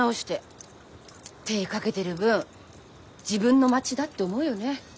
手かけてる分自分の町だって思うよね。